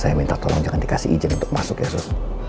saya minta tolong jangan dikasih ijin untuk masuk ya sus